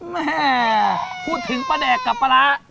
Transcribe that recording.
แม่พูดถึงป้าแดกกับปลาร้า